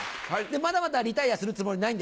まだまだリタイアするつもりないんでしょ？